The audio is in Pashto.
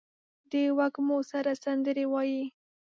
د وږمو سره سندرې وايي